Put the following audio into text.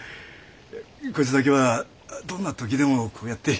こいつだけはどんな時でもこうやって。